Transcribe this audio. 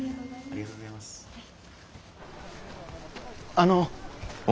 あの。